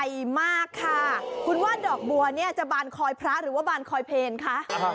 ใหญ่มากค่ะคุณว่าดอกบัวเนี่ยจะบานคอยพระหรือว่าบานคอยเพลคะ